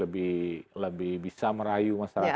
memang kita harus lebih bisa merayu masyarakat